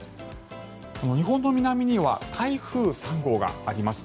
日本の南には台風３号があります。